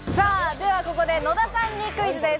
では、ここで野田さんにクイズです。